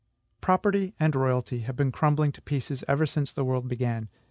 Property and royalty have been crumbling to pieces ever since the world began.